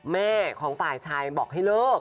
แม่ของฝ่ายชายบอกให้เลิก